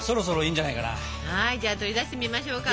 はいじゃあ取り出してみましょうか。